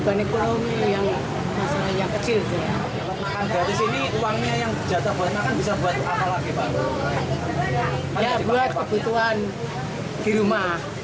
makan gratis ini uangnya yang berjata bana